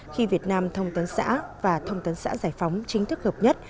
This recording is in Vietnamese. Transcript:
khi việt nam thông tấn xã và thông tấn xã giải phóng chính thức gợp nhất